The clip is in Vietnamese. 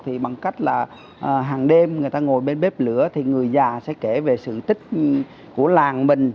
thì bằng cách là hàng đêm người ta ngồi bên bếp lửa thì người già sẽ kể về sự tích của làng mình